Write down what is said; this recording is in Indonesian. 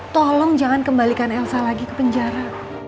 tolong jangan kembalikan elsa lagi ke penjara